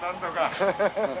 ハハハハ。